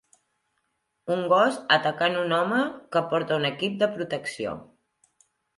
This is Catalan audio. Un gos atacant un home que porta un equip de protecció.